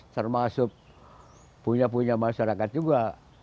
termasuk punya punya masyarakat juga